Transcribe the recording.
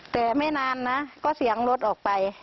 แต่ไม่นานนะก็เสียงรถออกไป